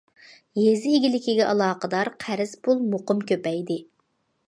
يېزا ئىگىلىكىگە ئالاقىدار قەرز پۇل مۇقىم كۆپەيدى.